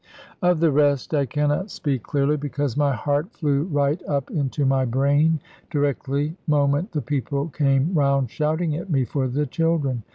"Of the rest I cannot speak clearly, because my heart flew right up into my brain, directly moment the people came round shouting at me for the children.